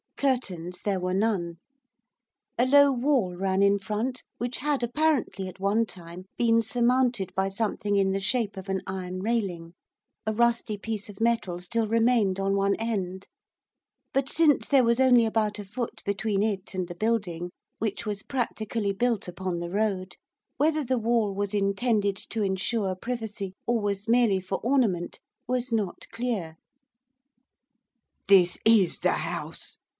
Curtains there were none. A low wall ran in front, which had apparently at one time been surmounted by something in the shape of an iron railing, a rusty piece of metal still remained on one end; but, since there was only about a foot between it and the building, which was practically built upon the road, whether the wall was intended to ensure privacy, or was merely for ornament, was not clear. 'This is the house!